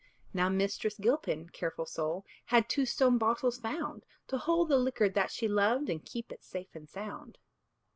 Now Mistress Gilpin (careful soul!) Had two stone bottles found, To hold the liquor that she loved, And keep it safe and sound.